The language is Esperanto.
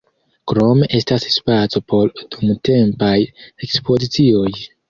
Krome estas spaco por dumtempaj ekspozicioj.